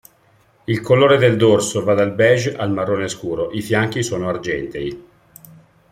Il colore del dorso va dal beige al marrone scuro, i fianchi sono argentei.